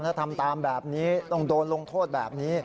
ถ้าทำตามแบบนี้ต้องโดนลงโทษแบบนี้